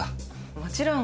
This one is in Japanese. もちろん。